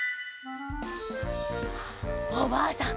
おばあさん